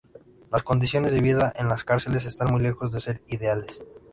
Las condiciones de vida en las cárceles están muy lejos de ser ideales.